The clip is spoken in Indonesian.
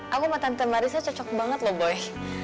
aku sama tante marissa cocok banget loh boy